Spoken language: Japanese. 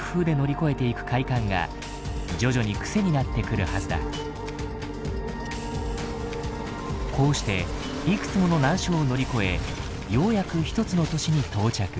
こうしていくつもの難所を乗り越えようやく一つの都市に到着。